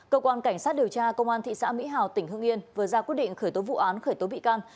cơ quan cảnh sát điều tra công an thị xã mỹ hào tỉnh hưng yên vừa ra quyết định khởi tố vụ án khởi tố bị can